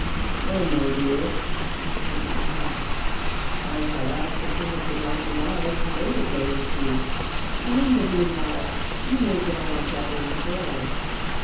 "Well, my dear," he said to his daughter, "I shall ask the King of the Diamond Isles to wait a day or two, and in the meanwhile you may go on gathering pearls.